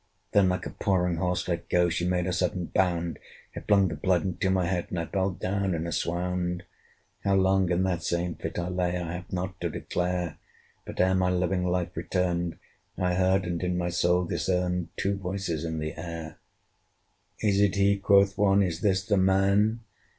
Then like a pawing horse let go, She made a sudden bound: It flung the blood into my head, And I fell down in a swound. How long in that same fit I lay, I have not to declare; But ere my living life returned, I heard and in my soul discerned Two VOICES in the air. "Is it he?" quoth one, "Is this the man?